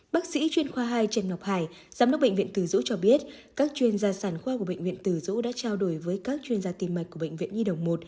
bác sĩ chuyên khoa hai trần ngọc hải giám đốc bệnh viện từ dũ cho biết các chuyên gia sản khoa của bệnh viện từ dũ đã trao đổi với các chuyên gia tim mạch của bệnh viện nhi đồng một